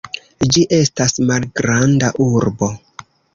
Ĝi estas malgranda urbo.